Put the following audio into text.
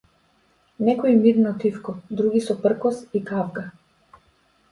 Некои мирно, тивко, други со пркос и кавга.